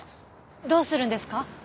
どうするんですか？